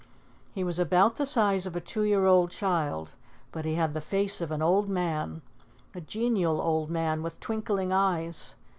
He was about the size of a two year old child, but he had the face of an old man, a genial old man with twinkling eyes.